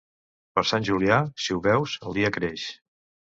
Per Sant Julià, si ho veus, el dia creix.